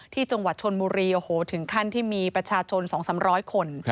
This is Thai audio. ที่จังหวัดชลบุรีโอ้โหถึงขั้นที่มีประชาชนสองสำร้อยคน